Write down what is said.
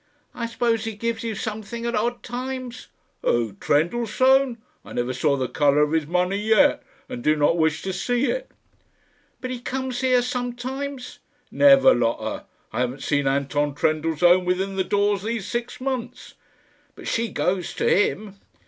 "I suppose he gives you something at odd times?" "Who? Trendellsohn? I never saw the colour of his money yet, and do not wish to see it." "But he comes here sometimes?" "Never, Lotta. I haven't seen Anton Trendellsohn within the doors these six months." "But she goes to him?"